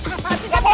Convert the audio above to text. apaan sih cak boleh